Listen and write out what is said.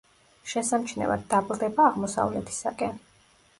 შესამჩნევად დაბლდება აღმოსავლეთისაკენ.